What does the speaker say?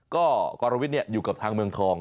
ก็กรวิทย์อยู่กับทางเมืองทอง